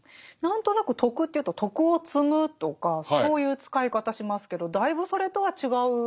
何となく徳というと徳を積むとかそういう使い方しますけどだいぶそれとは違う。